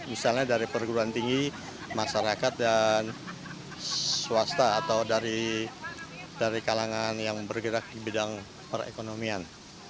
misalnya dari perguruan tinggi masyarakat dan swasta atau dari kalangan yang bergerak di bidang perekonomian